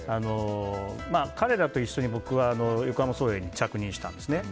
彼らと一緒に僕は横浜創英に着任したんですね。